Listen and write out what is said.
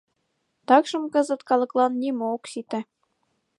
— Такшым кызыт калыклан нимо ок сите.